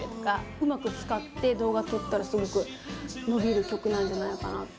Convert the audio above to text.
うまく使って動画を撮ったらすごく伸びる曲なんじゃないかなと。